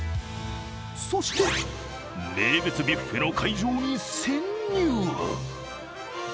そして名物ビュッフェの会場に潜入。